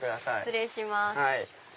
失礼します。